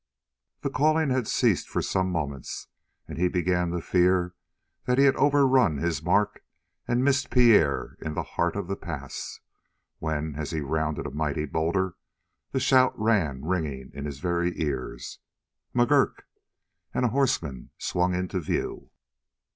The calling had ceased for some moments, and he began to fear that he had overrun his mark and missed Pierre in the heart of the pass, when, as he rounded a mighty boulder, the shout ran ringing in his very ears: "McGurk!" and a horseman swung into view.